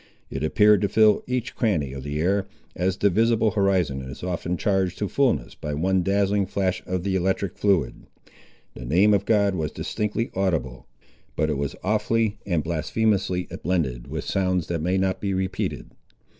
It appeared to fill each cranny of the air, as the visible horizon is often charged to fulness by one dazzling flash of the electric fluid. The name of God was distinctly audible, but it was awfully and blasphemously blended with sounds that may not be repeated.